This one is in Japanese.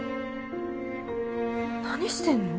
何してんの？